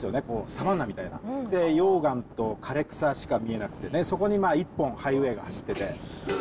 サバンナみたいな、溶岩と枯草ぐらいしか見えなくてね、そこに１本ハイウエーが走ってて。